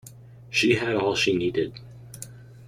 She had all she needed.